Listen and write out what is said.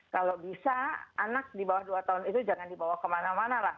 kalau bisa anak di bawah dua tahun itu jangan dibawa kemana mana lah